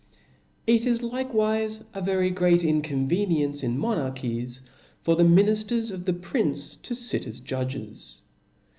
TT is likewife a very great Inconveniency in mo '*■ narchies, for the minifters of the prince to fit as judges.